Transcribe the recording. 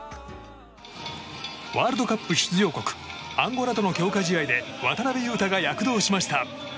ワールドカップ出場国アンゴラとの強化試合で渡邊雄太が躍動しました。